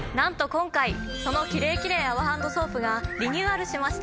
今回そのキレイキレイ泡ハンドソープがリニューアルしました！